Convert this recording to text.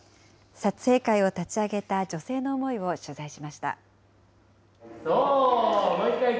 撮影会を立ち上げた女性の思いを取材しました。